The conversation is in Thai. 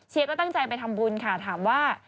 ก็ตั้งใจไปทำบุญค่ะถามว่า